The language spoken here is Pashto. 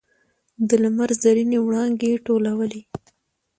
د لمر زرینې وړانګې ټولولې.